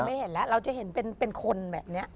ไม่เห็นแล้วเราจะเห็นเป็นคนแบบนี้